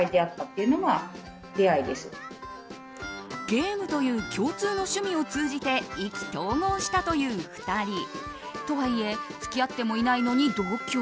ゲームという共通の趣味を通じて意気投合したという２人。とはいえ付き合ってもいないのに同居。